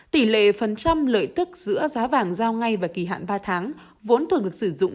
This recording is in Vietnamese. tỷ lệ phần trăm lợi tức giữa giá vàng giao ngay và kỳ hạn ba tháng vốn thường được sử dụng